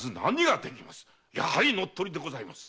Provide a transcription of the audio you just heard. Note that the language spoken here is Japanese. やはり乗っ取りでございます。